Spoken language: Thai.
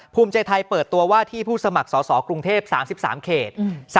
ภูมิใจไทยเปิดตัวว่าที่ผู้สมัครสอสอกรุงเทพ๓๓เขต